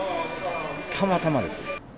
たまたまですよ。